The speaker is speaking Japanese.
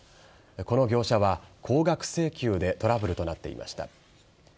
この業者は、高額請求でトラブルとなっていました。